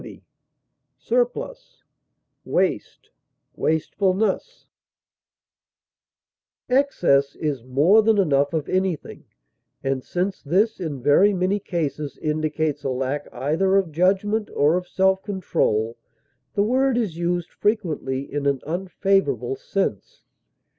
intemperance, profusion, superfluity, Excess is more than enough of anything, and, since this in very many cases indicates a lack either of judgment or of self control, the word is used frequently in an unfavorable sense.